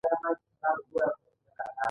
• غاښونه د خوړلو د پروسې پیل دی.